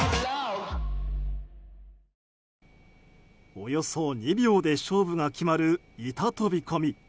およそ２秒で勝負が決まる板飛込。